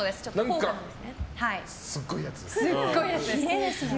すごいやつです。